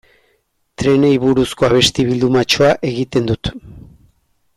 Trenei buruzko abesti bildumatxoa egiten dut.